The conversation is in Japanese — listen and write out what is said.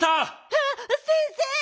あっ先生！